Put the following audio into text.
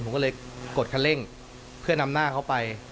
ผมก็เลยกดคันเร่งเพื่อนำหน้าเขาไป